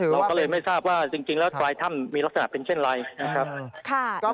เราก็เลยไม่ทราบว่าจริงแล้วปลายถ้ำมีลักษณะเป็นเช่นไรนะครับ